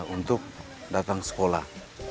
untuk datang sekolah